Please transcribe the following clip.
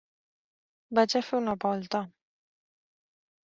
Vaig a fer una volta.